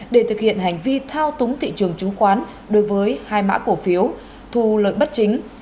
để thực hiện hành vi thao túng thị trường chứng khoán đối với hai mã cổ phiếu thu lợi bất chính